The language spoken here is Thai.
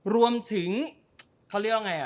รวมถึงเขาเรียกว่าไง